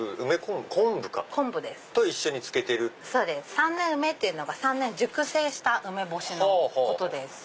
三年梅っていうのが３年熟成した梅干しのことです。